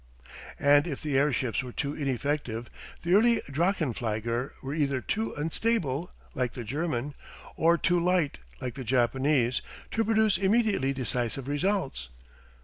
And if the airships were too ineffective, the early drachenflieger were either too unstable, like the German, or too light, like the Japanese, to produce immediately decisive results.